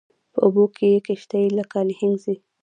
په اوبو کې یې کشتۍ لکه نهنګ ځي